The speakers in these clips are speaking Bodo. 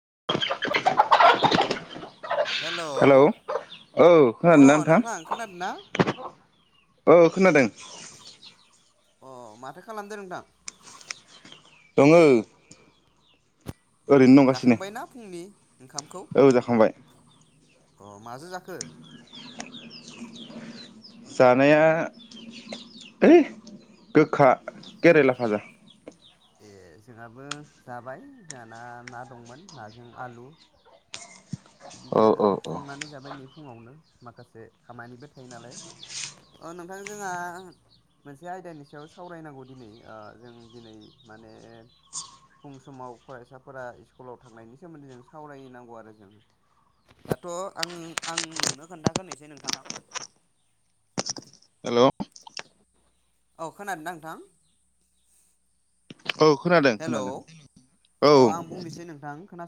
[inaudible] हेलौ औ अ खोनादोंना नोंथां? खोनादों ना औ खोनादों अ माथो खालामदो नोंथां? दङो ओरैनो दंगासिनो जाखांबायना फुंनि ओंखामखौ औ जाखांबाय अ माजो जाखो? जानाया यै गोखा केरेला भाजा। ए जोंहाबो जाबाय जोंहिना ना दंमोन नाजों आलु। औ बिदिनो औ औ संनानै जाबाय नै फुङावनो माखासे खामानिबो थायो नालाय। ओ नोंथां जोंहा मोनसे आयदानि सायाव सावरायनांगौ दिनै ओ जों दिनै माने फुं समाव फरायसाफोरा स्कुलाव थांनायनि सोमोन्दै जों सावरायनांगौ आरो जों। दाथ' आङो आं नोंनो खोन्थाग्रोनोसै नोंथां हेल' औ खोनादोंना नोंथां? औ खोनादों हेलौ खोनादों औ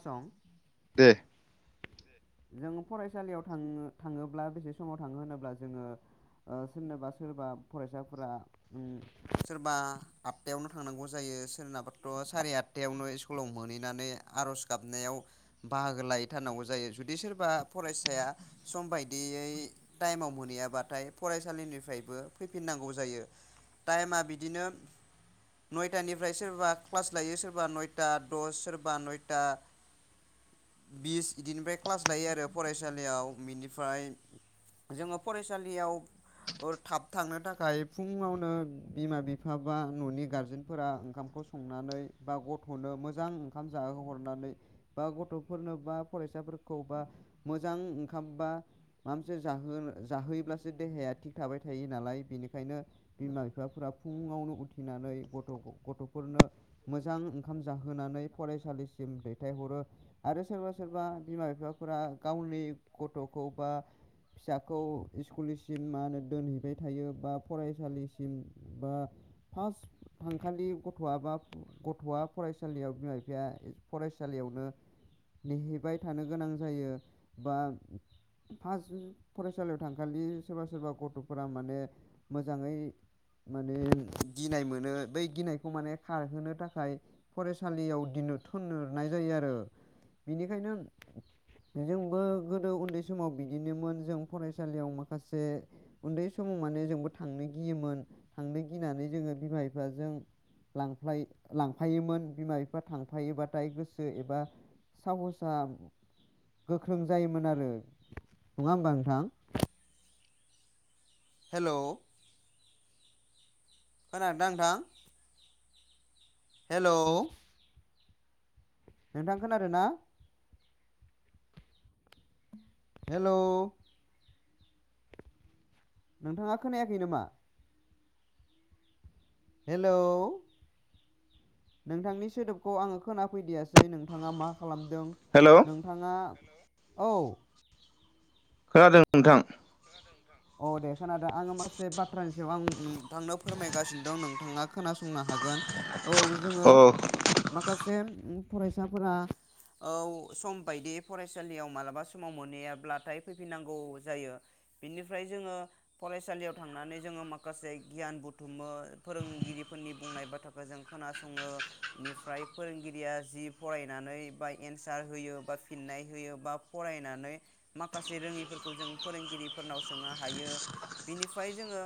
सं दे जों फरायसालियाव थाङो थाङोब्ला बेसे समाव थाङो होनोब्ला जोङो ओ सोरनाबा सोरबा फरायसाफोरा सोरबा आठथायावनो थांनांगौ जायो सोरनाबाथ' साराय आठथायावनो स्कुलाव मोनहैनानै आर'ज गाबनायाव बाहागो लायैथारनांगौ जायो जु दि सोरबा फरायसाया सम बायदियै टाइमाव मोनहैयाबाथाय फरायसालिनिफ्रायबो फैफिननांगौ जायो। टाइमा बिदिनो नयथानिफ्राय सोरबा क्लास लायो सोरबा नयथा दस सोरबा नयथा बिस बिदिनिफ्राय क्लास लायो आरो फरायसालियाव बिनिफ्राय जोङो फरायसालियाव ओ थाब थांनो थाखाय फुङावनो बिमा बिफा बा न'नि गारजेनफोरा ओंखामखौ संनानै बा गथ'नो मोजां ओंखाम जाहोहरनानै बा गथ'फोरनो बा फरायसाफोर खौ बा मोजां ओंखाम बा माबा मोनसे जोहो जाहोयोब्लासो देहाया थिग थाबाय थायो नालाय बेनिखायनो बिमा बिफाफोरा फुङावनो उथिनानै गथ' गथ'फोरनो मोजां ओंखाम जाहोनानै फरायसालिसिम दैथायहरो आरो सोरबा सोरबा बिमा बिफाफोरा गावनि गथ'खौ बा फिसाखौ स्कुलसिम मा होनो दोनहैबाय थायो बा फरायसालिसिम बा फार्स्ट थांखालि गथ'आ बा गथ'आ फरायसालियाव बिमा बिफाया फरायसालियावनो नेहैबाय थानो गोनां जायो बा फार्स्ट फरायसालियाव थांखालि सोरबा सोरबा गथ'फोरा माने मोजाङै माने गिनाय मोनो बै गिनायखौ माने खारहोनो थाखाय फरायसालियाव दिनो थोनहरनाय जायो आरो बेनिखायनो जोंबो गोदो उन्दै समाव बिदिनोमोन जों फरायसालियाव माखासे उन्दै समाव माने जोंबो थांनो गियोमोन थांनो गिनानै जोङो बिमा बिफाजों लांफा लांफायोमोन बिमा बिफा थांफायोबाथाय गोसो एबा साहसा गोख्रों जायोमोन आरो नङा होमबा नोंथां। हेल' खोनादोंना नोंथां हेलौ नोंथां खोनादोंना? हेल' नोंथाङा खोनायाखै नामा? हेलौ नोंथांनि सोदोबखौ आङो खोनाफैदियासै नोंथाङा मा खालामदों हेलौ नोंथाङा औ खोनादों नोंथां अ दे खोनादों आङो माखासे बाथ्रा याव आं नोंथांनो फोरमायगासिनो दं नोंथाङा खोनासंनो हागोन औ जोङो अ माखासे फरायसाफोरा औ सम बायदि फरायसालियाव मालाबा समाव मोनहैयाब्लाथाय फैफिननांगौ जायो बेनि फ्राय जोङो फरायसालियाव थांनानै जोङो माखासे गियान बुथुमो। फोरोंगिरिफोरनि बुंनाय बाथ्राखौ जों खोनासङो बेनिफ्राय फोरोंगिरिया जि फरायनानै बा एन्सार होयो बा फिननाय होयो बा फरायनानै माखासे रोङिफोरखौ जों फोरोंगिरिफोरनाव सोंनो हायो बिनिफ्राय जोङो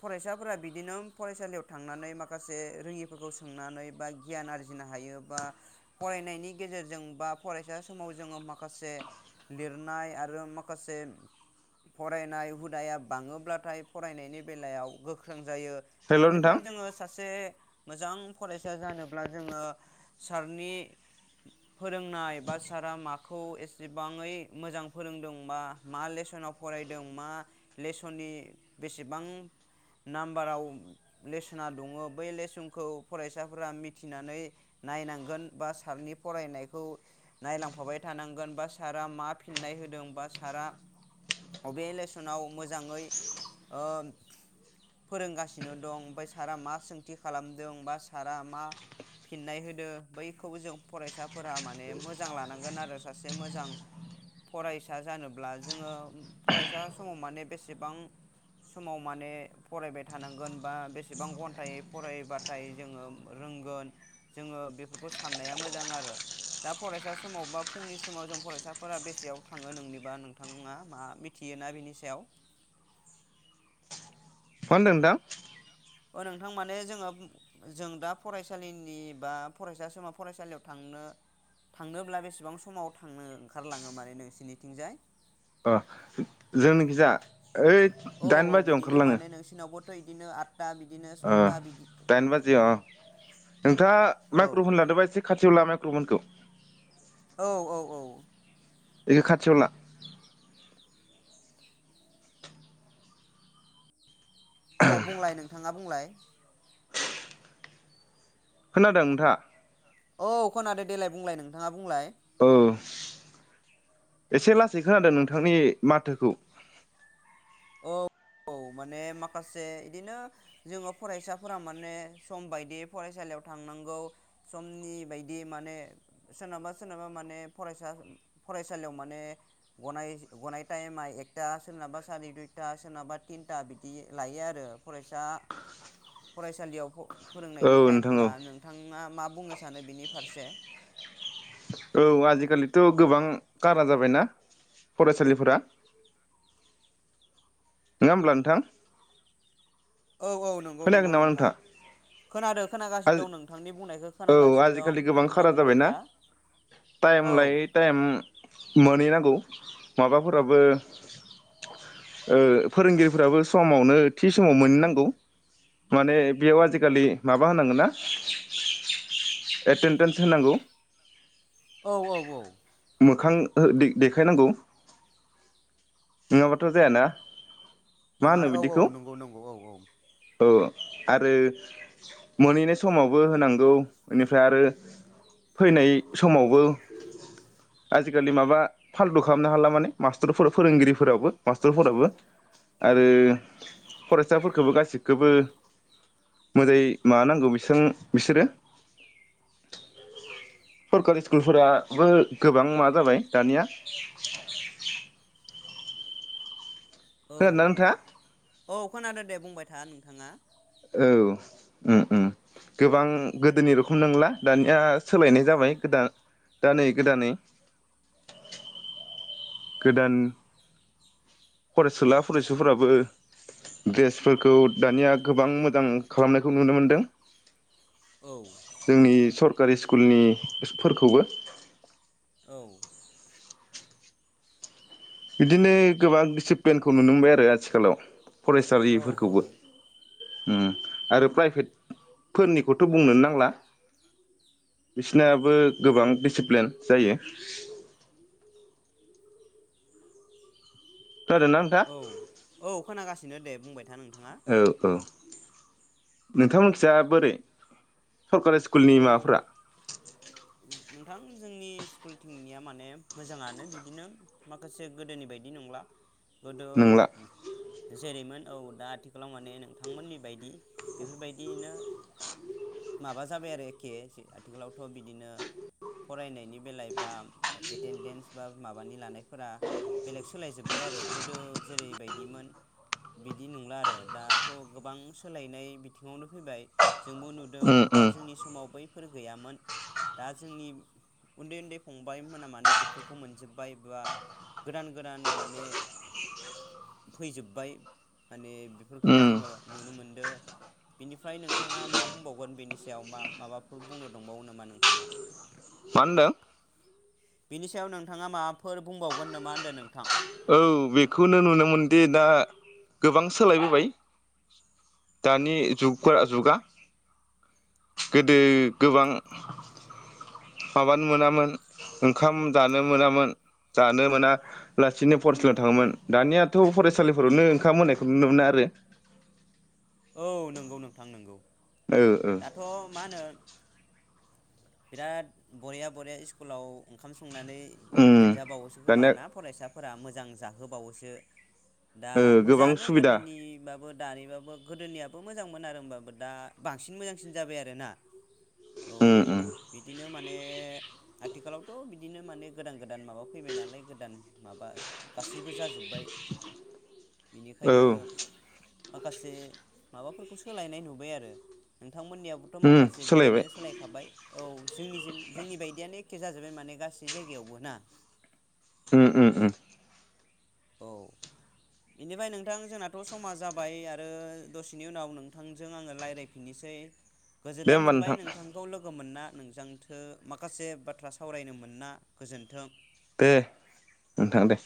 फरायसाफोरा बिदिनो फरायसालियाव थांनानै माखासे रोङिफोरखौ सोंनानै बा गियान आरजिनो हायो बा फरायनायनि गेजेरजों बा फरायसा समाव जोङो माखासे लिरनाय आरो माखासे फरायनाय हुदाया बाङोब्लाथाय फरायनायनि बेलायाव गोख्रों जायो हेल' बिनिफ्राय नोंथां जोङो सासे मोजां फरायसा जानोब्ला जोङो सारनि फोरोंनाय बा सारा माखौ एसेबाङै मोजां फोरोंदों बा मा लेस सनाव फरायदों मा लेसननि बेसेबां नाम्बाराव लेसना दङ बै लेसनखौ फरायसाफोरा मिथिनानै नायनांगोन बा सारनि फरायनायखौ नायलांफाबाय थानांगोन बा सारा मा फिननाय होदों बा सारा बबेलेसनाव मोजाङै ओ फोरोंगासिनो दं ओमफाय सारा मा सोंथि खालामदों बा सारा मा फिननाय होदों बैखौबो जों फरायसाफोरा माने मोजां लानांगोन आरो सासे मोजां फरायसा जानोब्ला जोङो फरायसा समाव माने बेसेबां समाव माने फरायबाय थानांगोन बा बेसेबां घन्टै फरायबाथाय जोङो रोंगोन जोङो बेफोरखौ साननाया मोजां आरो दा फरायसा समाव बा फुंनि समाव जों फरायसाफोरा बेसेयाव थाङो नोंनिबा नोंथांङामा मिथियोना बिनि सायाव मा होनदों नोंथां अ नोंथां माने जोङो जों दा फरायसालिनि बा फरायसा समा फरायसालियाव थांनो थांनोब्ला बेसेबां समाव थांनो ओंखारलाङो माने नोंसिनिथिंजाय अ जोंनिखिजा ओइ औ औ दाइन बाजियाव बिदिनो ओंखारलाङो माने नोंसिनावबोथ' बिदिनो आदथा बिदिनो ओ सय दा बिदि दाइन बाजियाव अ नोंथाङा औ माइक्र'फन लादोंबा एसे खा थिउला माइक्रमोनखौ औ औ औ बेखौ खाथियावला दे बुंलाय नोंथाङा बुंलाय खोनादों नोंथाङा औ खोनादो देलाय बुंलाय नोंथांङा बुंलाय औ एसे लासै खोनादों नोंथांनि माथोखौ औ औ माने माखासे बिदिनो जोङो फरायसाफोरा माने सम बायदि फरायसालियाव थांनांगौ समनि बायदि माने सोरनाबा सोरनाबा माने फरायसा फरायसालियाव माने गनाय गनाय टाइमा एकथा सोरनाबा सारि दुइ था सोरनाबा थिनथा बिदि लायो आरो फरायसा फरायसालियाव औ फोरोंनायनि नोंथां औ टाइमफोरा नोंथाङा माब बुंनो सानो बिनि फारसे औ आजिखालिथ' गोबां गारा जाबायना फरायसालिफोरा नङा होमब्ला नोंथां खोनायाखै नामा नोंथांङा? खोनादो औ दं आजिखालि गोबां नोंथाङा खारा बुंबाय जाबायनाा था टाइम औ लायै टाइम मोनहैनां माबाफोराबो ओ फोरोंगिरिफोराबो समावनो थि समाव मोननांगौ माने बेयाव आजिखालि मा बा होनांगोनना एथेनथेनस होनांगौ औ औ औ मोखां देखायनांगौ नङाबाथ' जायाना मा नङा होनो औ औ बिदिखौ नंगौ नंगौ औ औ औ आरो मोनहैनाय समावबो होनांगौ बेनिफ्राय आरो फैनाय समावबो आजिखालि माबा फाल्दु खालामनो हाला माने मास्टरफोर फोरोंगिरि फोरावबो मास्टारफोरावबो आरो फरायसाफोरखौबो गासिखौबो मोजाङै माबानागौ नांगौ बिसोरो सरकारि स्कुलफोराबो गोबां माबा जाबाय दानिया। औ खोनादोंना नोंथाङा औ खोनादो दे बुंबाय था नोंथाङा औ उम उम गोबां गोदोनि रोखोम नंला दानिया सोलायनाय जाबाय गोदान दानै गोदानै गोदान फरायसुला फरायसुफोराबो द्रेसफोरखौ दानिया गोबां मोजां खालामनायखौ नुनो मोनदों। औ जोंनि सर कारि स्कुलनि [unintelligible] फोरखौबो औ बिदिनो गोबां डिसिप्लेनखौ नुनो मोनबाय आरो आथिखालाव। फरायसालि औ फोरखौबो उम आरो प्राइभेट फोरनिखौथ' बुंनोनो नांला बिसिनाबो गोबां डिसिप्लेन जायो। खोनादोंना नोंथां औ औ खोनागासि नो दे बुंबाय था नोंथाङा औ औ नोंथां मोनखिजा बोरै? सरकारि स्कुलनि औ माबाफोरा नोंथां जोंनि स्कुलथिंनिया माने मोजाङानो बिदिनो माखासे गोदोनि बायदि नंला गोदो नोंला [unintelligible] जेरैमोन औ दा आथिखालाव माने नोंथांमोननि बायदि बेफोरबायदिनो माबा जाबाय आरो एखे आथिखालावथ' बिदिनो फरायनायनि बेलाय बा एटेन्डेन्स बा माबानि लानायफोरा बेलेग सोलायजोब्बाय आरो गोदो जेरैबायदिमोन बिदि नंला आरो दाथ' गोबां सोलायनाय बिथिङावनो फैबाय जोंबो नुदों उम बा उम उम जोंनि समाव बैफोर गैयामोन। दा जोंनि उन्दै उन्दै फंबाय मोना माने बेफोरखौ मोनजोबबाय बा गोदान गोदान माने फैजोबबाय माने बेफोरखौ मा जोङो नुनो मोनदो बिनिफ्राय नोंथाङा मा बुंबावगोन बेनि सायाव मा माबाफोर बुंनो दंबावो नामा नोंथां? थांङा? मा होनदों? बिनि सायाव नोंथाङा माबाफोर बुंबावगोन नामा होनदो नोंथां? औ बेखौनो नुनो मोनदि दा गोबां सोलायबोबाय दानि जुगफोरा जुगा गोदो गोबां माबानो मोनामोन ओंखाम जानो मोनामोन जानो मोना लासिनो फरायसालियाव थाङोमोन दानियाथ' फरायसालिफोरावनो ओंखाम होनायखौ नुनो मोना आरो औ नोंगौ नोंथां नोंगौ ओ ओ दाथ' मा होनो बिराद बरिया बरिया इस्कुलाव ओंखाम संनानै उम मोनजाबावोसो खोमा दानिया ना फरायसा फोरा मोजां जाहोबावोसो दा ओ गोबां मोजाङानो सुबिदा गोदोनिबाबो दानिबाबो गोदोनियाबो मोजांमोन आरो होमबाबो दा बांसिन मोजांसिन जाबाय आरो ना? उम उम ने आथिखालावथ' बिदिनो माने गोदान गोदान माबा फैबाय नालाय गोदान माबा गासैबो जाजोब्बाय। औ बिनिखायनो माखासे माबाफोरखौ सोलायनाय नुबाय आरो नोंथां मोननियाबोथ' उम माखासे सोलायबाय बिदिनो सोलायखाबाय औ जोंनिजो जोंनि बायदियानो एखे जाजोब्बाय माने गासै जायगायावबो ना? उम उम उम औ बिनिफाय नोंथां जोंनाथ' समा जाबाय आरो दसेनि उनाव नोंथांजों आङो रायलायफिननोसै दे गोजोननाय होमबा नोंथां मोनबाय नोंथांखौ लोगो मोनना। नोंजोंथो माखासे बाथ्रा सावरायनो मोना गोजोन्थों दे नोंथां दे